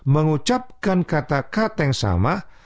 mengucapkan kata kata yang sama